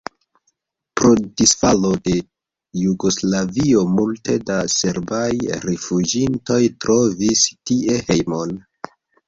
Pro disfalo de Jugoslavio multe da serbaj rifuĝintoj trovis tie hejmon.